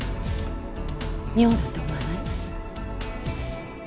妙だと思わない？